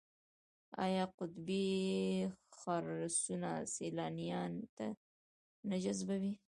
آیا قطبي خرسونه سیلانیان نه جذبوي؟